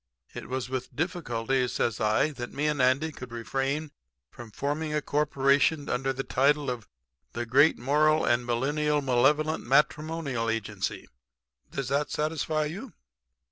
It was with difficulty,' says I, 'that me and Andy could refrain from forming a corporation under the title of the Great Moral and Millennial Malevolent Matrimonial Agency. Does that satisfy you?'